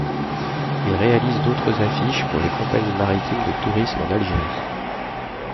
Il réalise d'autres affiches pour les compagnies maritimes de tourisme en Algérie.